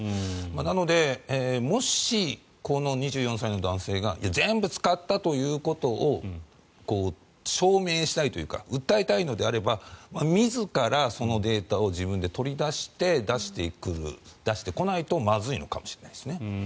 なので、もしこの２４歳の男性が全部使ったということを証明したいというか訴えたいのであれば自らそのデータを自分で取り出して出していく出してこないとまずいのかもしれないですね。